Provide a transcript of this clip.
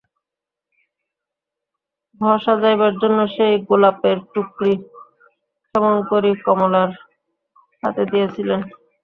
ঘর সাজাইবার জন্য সেই গোলাপের টুকরি ক্ষেমংকরী কমলার হাতে দিয়াছিলেন।